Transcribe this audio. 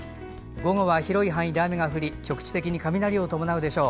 午後は広い範囲で雨が降り局地的に雷を伴うでしょう。